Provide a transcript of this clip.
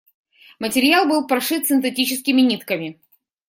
Материал был прошит синтетическими нитками.